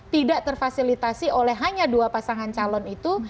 tidak terfasilitasi oleh hanya dua pasangan calon itu